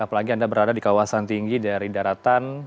apalagi anda berada di kawasan tinggi dari daratan